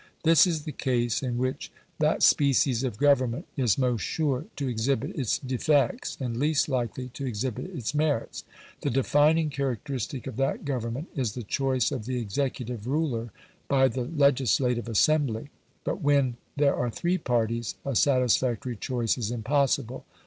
This is the case in which that species of government is most sure to exhibit its defects, and least likely to exhibit its merits. The defining characteristic of that government is the choice of the executive ruler by the legislative assembly; but when there are three parties a satisfactory choice is impossible.